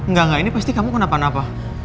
gak gak ini pasti kamu kenapa apa